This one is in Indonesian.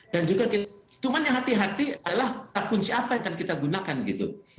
dan juga kita cuma yang hati hati adalah kunci apa yang akan kita gunakan gitu